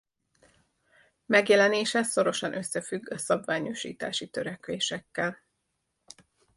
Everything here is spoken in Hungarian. Megjelenése szorosan összefügg a szabványosítási törekvésekkel.